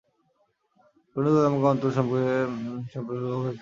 পণ্ডিতগণ Amazon অঞ্চল সম্পর্কে সাম্প্রতিককালে গবেষণা চালিয়ে যাচ্ছেন।